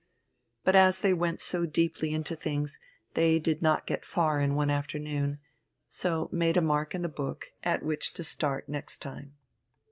But as they went so deeply into things, they did not get far in one afternoon, so made a mark in the book at which to start next time.